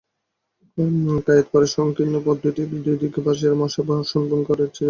কায়েতপাড়ার সংকীর্ণ পথটির দুদিকে বাশঝাড়ে মশা শুনভন করিতেছিল।